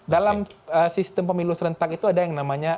dalam sistem pemilu serentak itu ada yang namanya